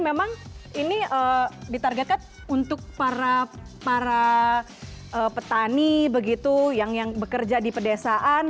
memang ini ditargetkan untuk para petani begitu yang bekerja di pedesaan